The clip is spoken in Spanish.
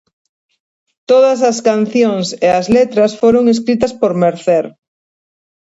Todas las canciones y las letras fueron escritas por Mercer.